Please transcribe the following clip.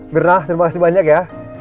gerah terima kasih banyak ya